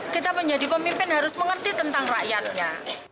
kita menjadi pemimpin harus mengerti tentang rakyatnya